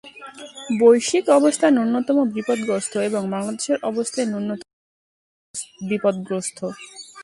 বৈশ্বিক অবস্থা ন্যূনতম বিপদগ্রস্ত এবং বাংলাদেশের অবস্থায় ন্যূনতম বিপদগ্রস্ত।